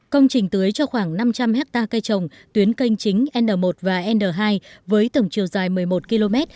công trình tưới cho khoảng năm trăm linh hectare cây trồng tuyến canh chính n một và n hai với tổng chiều dài một mươi một km